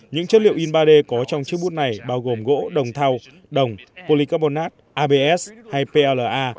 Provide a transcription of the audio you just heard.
những chất liệu in ba d có trong chiếc bút này bao gồm gỗ đồng thau đồng poly carbonad abs hay pla